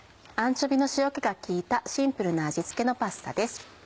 アンチョビーの塩気が効いたシンプルな味付けのパスタです。